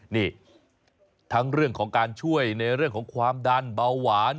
นี่ทั้งเรื่องของการช่วยในเรื่องของความดันเบาหวาน